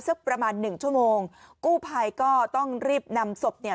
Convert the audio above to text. สักประมาณหนึ่งชั่วโมงกู้ภัยก็ต้องรีบนำศพเนี่ย